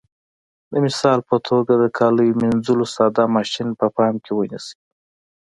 د مثال په توګه د کالیو منځلو ساده ماشین په پام کې ونیسئ.